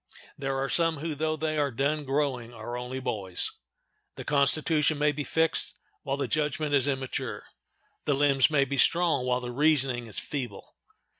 There are some who, though they are done growing, are only boys. The constitution may be fixed while the judgment is immature; the limbs may be strong while the reasoning is feeble.